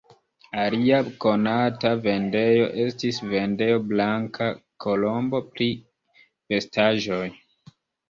Alia konata vendejo estis vendejo Blanka Kolombo pri vestaĵoj.